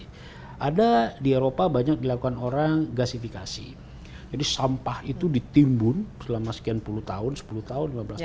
karena di eropa banyak dilakukan orang gasifikasi jadi sampah itu ditimbun selama sekian puluh tahun sepuluh tahun lima belas tahun